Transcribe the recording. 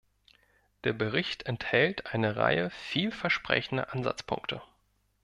Der Bericht enthält eine Reihe viel versprechender Ansatzpunkte.